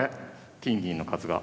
金銀の数が。